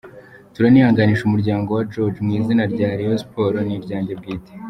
turanihanganisha umuryango wa George mu izina rya Rayon Sport ni ryanjye bwite,.